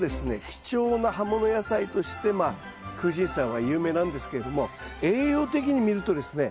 貴重な葉物野菜としてまあクウシンサイは有名なんですけれども栄養的に見るとですね